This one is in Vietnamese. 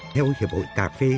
theo hiệp hội cà phê